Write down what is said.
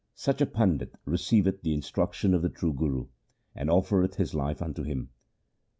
Such a pandit receiveth the instruction of the true Guru, And offereth his life unto him.